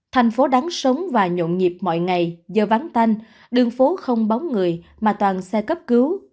thành phố đáng sống và nhộn nhịp mọi ngày do vắng tanh đường phố không bóng người mà toàn xe cấp cứu